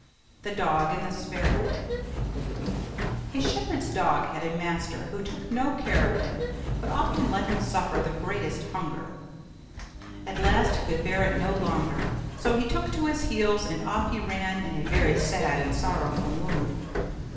THE DOG AND THE SPARROW A shepherd's dog had a master who took no care of him, but often let him suffer the greatest hunger. At last he could bear it no longer; so he took to his heels, and off he ran in a very sad and sorrowful mood.